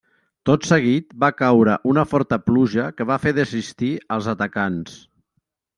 Tot seguit va caure una forta pluja que va fer desistir els atacants.